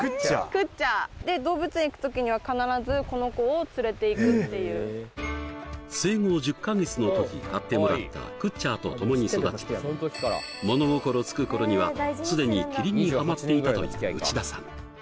くっちゃー動物園行く時には必ずこの子を連れていくっていう生後１０カ月の時買ってもらったくっちゃーと共に育ち物心つく頃にはすでにキリンにハマっていたという内田さん